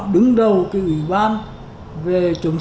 trong đầu cái ủy ban về